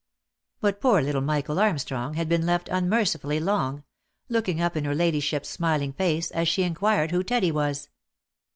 But poor little Michael Armstrong has been left unmercifully long, looking up in her ladyship's smiling face, as she inquired who Teddy was.